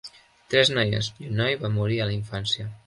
Tres noies i un noi van morir a la infància.